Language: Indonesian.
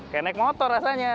kayak naik motor rasanya